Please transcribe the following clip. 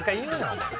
お前。